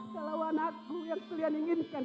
kalau anakku yang kalian inginkan